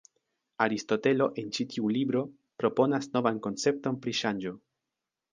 Aristotelo en tiu ĉi libro proponas novan koncepton pri ŝanĝo.